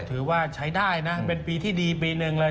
ถือว่าใช้ได้นะเป็นปีที่ดีปีหนึ่งเลย